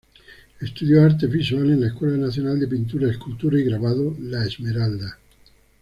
Estudió artes visuales en la Escuela Nacional de Pintura, Escultura y Grabado "La Esmeralda".